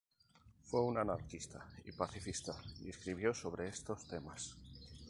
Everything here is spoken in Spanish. Fue un anarquista y pacifista y escribió sobre estos temas.